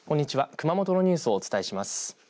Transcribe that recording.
熊本のニュースをお伝えします。